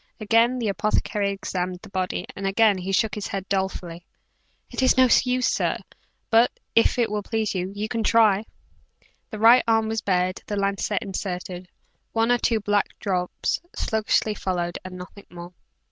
Again the apothecary examined the body, and again he shook his head dolefully. "It's no use, sir: but, if it will please, you can try." The right arm was bared; the lancet inserted, one or two black drops sluggishly followed and nothing more.